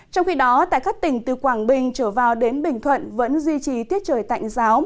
trong khi đó tại các tỉnh từ quảng bình trở vào đến bình thuận vẫn duy trì tiết trời tạnh giáo